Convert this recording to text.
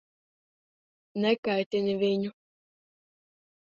Nekaitini viņu.